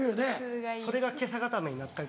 それが袈裟固めになったり。